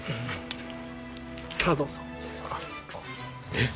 えっ？